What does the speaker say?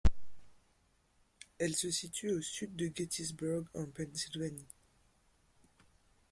Elle se situe au sud de Gettysburg en Pennsylvanie.